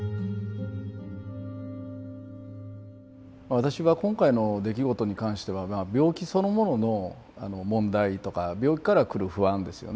私は今回の出来事に関しては病気そのものの問題とか病気からくる不安ですよね